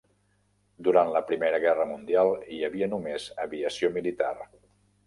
Durant la Primera Guerra Mundial, hi havia només aviació militar.